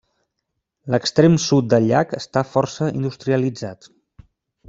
L'extrem sud del llac està força industrialitzat.